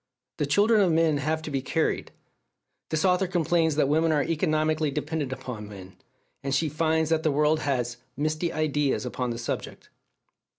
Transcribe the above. The children of men have to be carried. This author complains that women are economically dependent upon men; and she finds that the world has "misty ideas upon the subject."